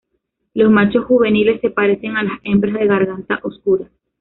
Los machos juveniles se parecen a las hembras de garganta oscura.